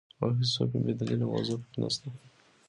او هيڅ کومه بي دليله موضوع په کي نسته،